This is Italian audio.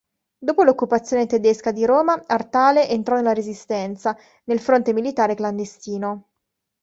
Dopo l'occupazione tedesca di Roma, Artale entrò nella Resistenza, nel Fronte militare clandestino.